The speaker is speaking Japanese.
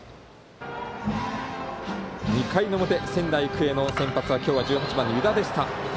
２回の表、仙台育英の先発は今日は１８番の湯田でした。